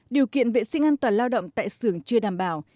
điều kiện vệ sinh an toàn lao động tại xưởng chưa đảm bảo